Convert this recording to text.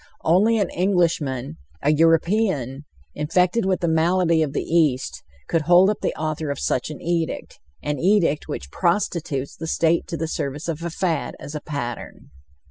Only an Englishman, a European, infected with the malady of the East, could hold up the author of such an edict, an edict which prostitutes the State to the service of a fad as "a pattern."